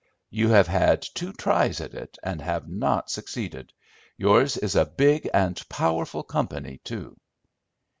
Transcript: You have had two tries at it and have not succeeded. Yours is a big and powerful company too."